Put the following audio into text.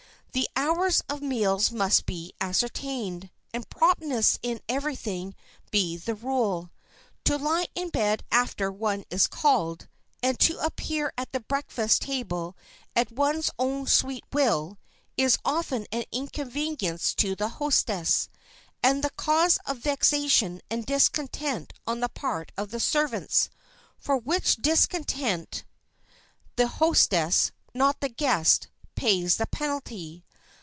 The hours of meals must be ascertained, and promptness in everything be the rule. To lie in bed after one is called, and to appear at the breakfast table at one's own sweet will, is often an inconvenience to the hostess, and the cause of vexation and discontent on the part of the servants, for which discontent the hostess—not the guest—pays the penalty.